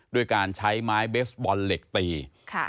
ด้วยการใช้ไม้เบสบอลเหล็กตีค่ะ